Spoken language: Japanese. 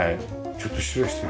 ちょっと失礼して。